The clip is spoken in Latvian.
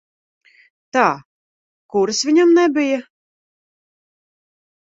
Tā, kuras viņam nebija?